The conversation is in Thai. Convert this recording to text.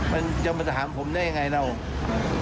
มันจะมาถามผมได้ยังไงเรา